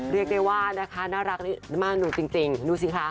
เรียกได้ว่านะคะน่ารักมากดูจริงดูสิคะ